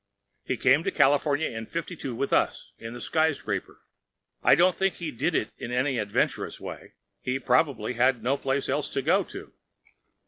He came to California in ’52 with us, in the Skyscraper. I don’t think he did it in an adventurous way. He probably had no other place to go to.